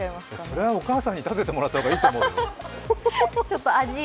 それはお母さんにたててもらった方がいいと思うよ。